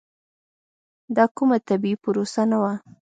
دا کومه طبیعي پروسه نه وه.